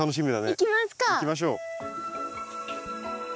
行きましょう。